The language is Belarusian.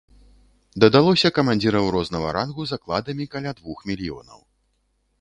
Дадалося камандзіраў рознага рангу з акладамі каля двух мільёнаў.